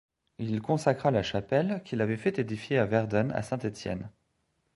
Il consacra la chapelle qu'il avait fait édifier à Werden à Saint Étienne.